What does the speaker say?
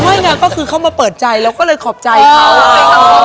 ไม่งั้นคือเขามาเปิดใจแล้วเราก็เลยขอบใจเขา